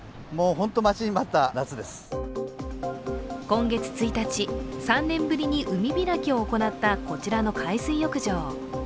今月１日、３年ぶりに海開きを行ったこちらの海水浴場。